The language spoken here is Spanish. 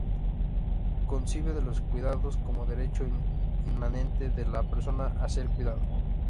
Concibe los cuidados como derecho inmanente de la persona a ser cuidada.